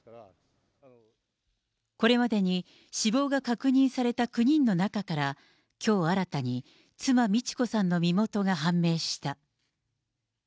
これまでに死亡が確認された９人の中から、きょう新たに、妻、路子さんの身元が判明した。